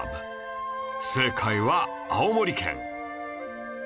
正解は青森県